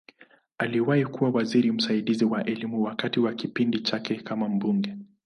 Aliwahi kuwa waziri msaidizi wa Elimu wakati wa kipindi chake kama mbunge.